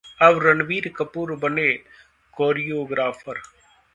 अब रणबीर कपूर बने कोरियोग्राफर